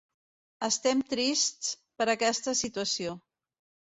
Estem trists per aquesta situació.